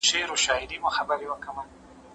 سازمانونه کله د سوله ییز لاریون اجازه ورکوي؟